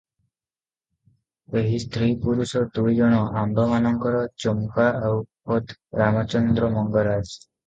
ଏହି ସ୍ତ୍ରୀ ପୁରୁଷ ଦୁଇ ଜଣ ଆମ୍ଭମାନଙ୍କର ଚମ୍ପା ଆଉ ଖୋଦ୍ ରାମଚନ୍ଦ୍ର ମଙ୍ଗରାଜ ।